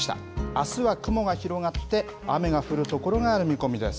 あすは雲が広がって雨が降る所がある見込みです。